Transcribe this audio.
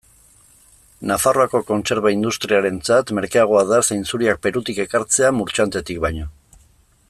Nafarroako kontserba industriarentzat merkeagoa da zainzuriak Perutik ekartzea Murchantetik baino.